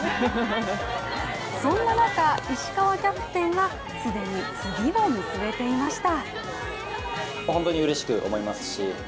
そんな中、石川キャプテンは既に次を見据えていました。